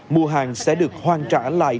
mua hàng sẽ được hoàn trả lại